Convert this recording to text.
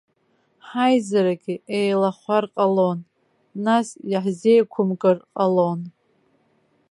Ҳаизарагьы еилахәар ҟалон, нас иаҳзеиқәымкыр ҟалон.